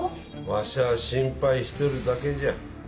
わしゃ心配しちょるだけじゃ。